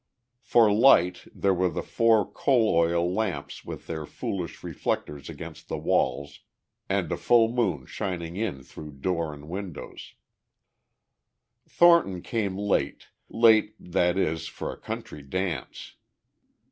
For light there were the four coal oil lamps with their foolish reflectors against the walls, and a full moon shining in through door and windows. Thornton came late, late that is, for a country dance.